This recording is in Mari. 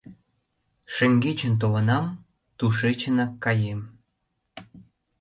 Шеҥгечын толынам, тушечынак каем.